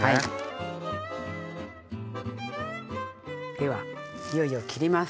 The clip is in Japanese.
ではいよいよ切ります。